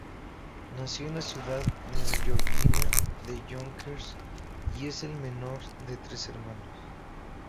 Nació en la ciudad neoyorquina de Yonkers y es el menor de tres hermanos.